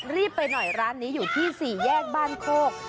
รีบไปหน่อยร้านนี้อยู่ที่๔แยกบ้านโคก